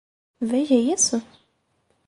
Veja isso?